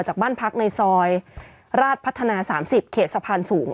จากบ้านพักในซอยราชพัฒนา๓๐เขตสะพานสูง